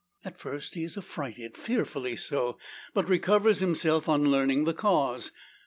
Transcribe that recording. At first he is affrighted, fearfully so; but recovers himself on learning the cause.